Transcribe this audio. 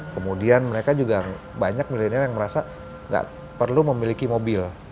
kemudian mereka juga banyak milenial yang merasa nggak perlu memiliki mobil